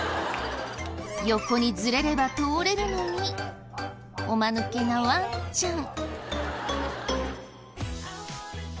横にずれれば通れるのにおまぬけなワンちゃん。